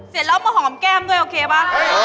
เสร็จแล้วมาหอมแก้มด้วยโอเคป่ะ